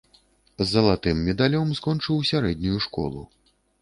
З залатым медалём скончыў сярэднюю школу.